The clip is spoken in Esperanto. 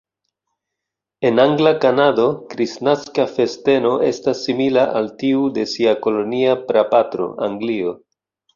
En angla Kanado, kristnaska festeno estas simila al tiu de sia kolonia prapatro, Anglio.